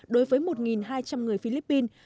đối với một hai trăm linh người philippines